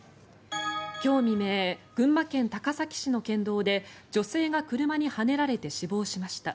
今日未明、群馬県高崎市の県道で女性が車にはねられて死亡しました。